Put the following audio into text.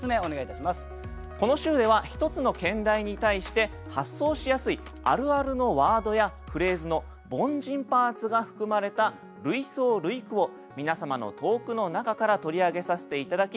この週では一つの兼題に対して発想しやすいあるあるのワードやフレーズの「凡人パーツ」が含まれた類想類句を皆様の投句の中から取り上げさせて頂き